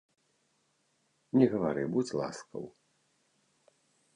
Не гавары, будзь ласкаў!